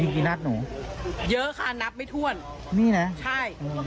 กี่นัดหนูเยอะค่ะนับไม่ถ้วนนี่นะใช่